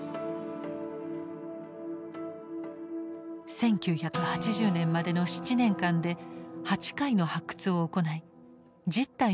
１９８０年までの７年間で８回の発掘を行い１０体の遺骨を掘り出した。